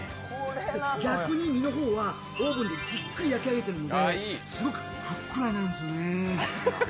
逆に身の方はオーブンでじっくり焼き上げているのですごくふっくらになるんですよね。